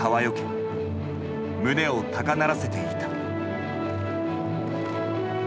胸を高鳴らせていた。